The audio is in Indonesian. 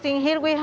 dan juga rasa gurih